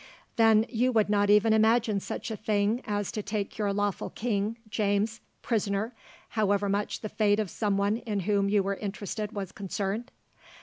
"Then you would not even imagine such a thing as to take your lawful king, James, prisoner, however much the fate of someone in whom you were interested was concerned?"